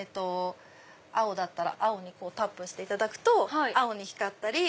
青だったら青をタップしていただくと青に光ったり。